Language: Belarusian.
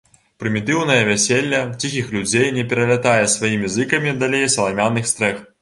Прымітыўнае вяселле ціхіх людзей не пералятае сваімі зыкамі далей саламяных стрэх.